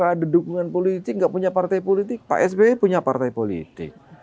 kalau ada dukungan politik nggak punya partai politik pak sby punya partai politik